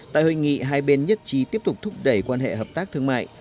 tại hội nghị hai bên nhất trí tiếp tục thúc đẩy quan hệ hợp tác thương mại